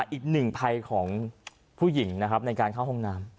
อีกหนึ่งภัยของผู้หญิงนะครับในการเข้าห้องน้ำ